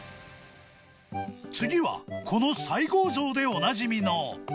次は、この西郷像でおなじみの。